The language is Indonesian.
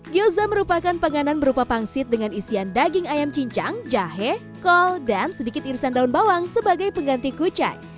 gyoza merupakan panganan berupa pangsit dengan isian daging ayam cincang jahe kol dan sedikit irisan daun bawang sebagai pengganti kucai